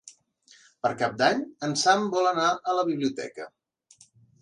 Per Cap d'Any en Sam vol anar a la biblioteca.